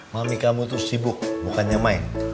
mami kamu tuh sibuk bukannya main